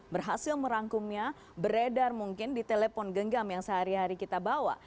berhasil merangkumnya beredar mungkin di telepon genggam yang sehari hari kita bawa